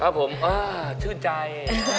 ครับผมชื่นใจ